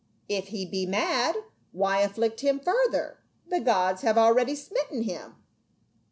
" If he be mad, why afflict him further? The gods have already smitten him."